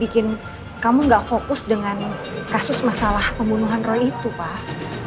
bikin kamu gak fokus dengan kasus masalah pembunuhan roy itu pak